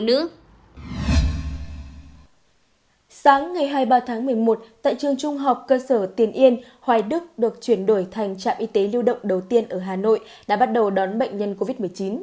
sáng ngày hai mươi ba tháng một mươi một tại trường trung học cơ sở tiền yên hoài đức được chuyển đổi thành trạm y tế lưu động đầu tiên ở hà nội đã bắt đầu đón bệnh nhân covid một mươi chín